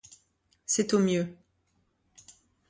C’est au mieux.